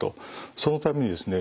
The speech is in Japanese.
そのためにですね